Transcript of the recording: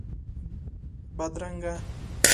بدرنګه